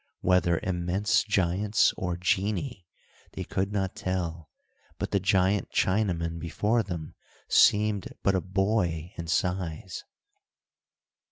Whether immense giants or genii, they could not tell, but the giant Chinaman before them seemed but a boy in size.